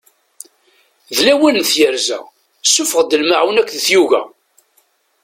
D lawan n tyerza, suffeɣ-d lmaɛun akked tyuga!